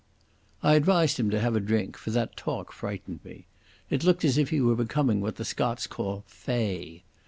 I advised him to have a drink, for that talk frightened me. It looked as if he were becoming what the Scots call "fey".